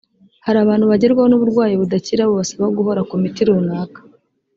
Hari abantu bagerwaho n’uburwayi budakira bubasaba guhora ku miti runaka